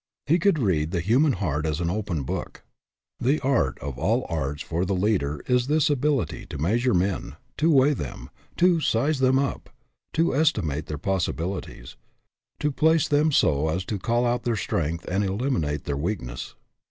He could read the human heart as an open book. The art of all arts for the leader is this ability to measure men, to weigh them, to " size them up," to estimate their possibilities, to place them so as to call out their strength and eliminate their weakness.